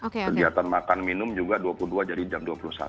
kegiatan makan minum juga dua puluh dua jadi jam dua puluh satu